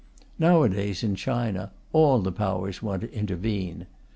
Now a days, in China, all the Powers want to intervene.